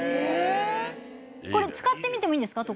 これ使ってみてもいいんですか？